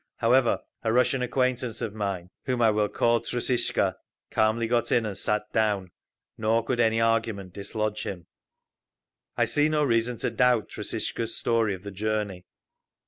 However, a Russian acquaintance of mine, whom I will call Trusishka, calmly got in and sat down, nor could any argument dislodge him…. I see no reason to doubt Trusishka's story of the journey.